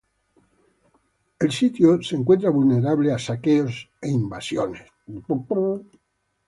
El sitio se encuentra vulnerable a saqueos e invasiones.